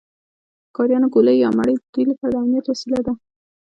د ښکاریانو ګوله یا مړۍ د دوی لپاره د امنیت وسیله وه.